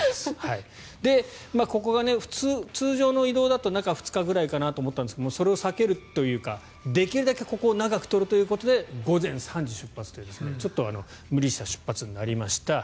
ここが通常の移動だと中２日かなと思ったんですがそれを避けるというかできるだけここを長く取るということで午前３時出発というちょっと無理した出発になりました。